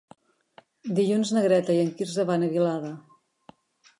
Dilluns na Greta i en Quirze van a Vilada.